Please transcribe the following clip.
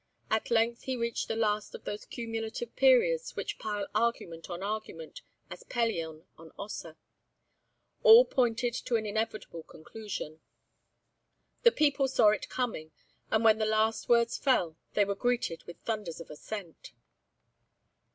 At length he reached the last of those cumulative periods which pile argument on argument as Pelion on Ossa. All pointed to an inevitable conclusion. The people saw it coming and when the last words fell, they were greeted with thunders of assent.